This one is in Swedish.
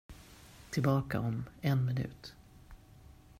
Tillbaka om en minut.